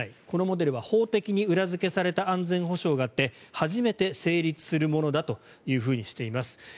このモデルは法的に裏付けされた安全保障があって初めて成立するものだとしています。